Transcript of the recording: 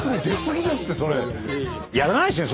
やらないですよね？